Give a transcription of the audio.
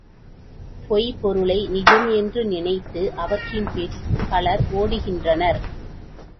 பொய்ப்பொருளை நிஜம் என்று நினைத்து அவற்றின்பின் பலர் ஓடுகின்றனர்.